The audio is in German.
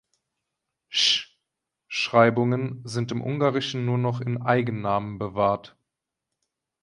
Sch-Schreibungen sind im Ungarischen nur noch in Eigennamen bewahrt.